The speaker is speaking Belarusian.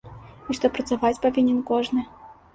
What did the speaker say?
І што працаваць павінен кожны.